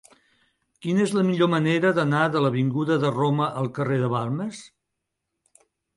Quina és la millor manera d'anar de l'avinguda de Roma al carrer de Balmes?